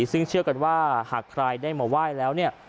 ซึ่งเชื่อกันว่าหากใครได้มาไหว้แล้วเนี่ย